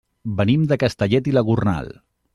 Venim de Castellet i la Gornal.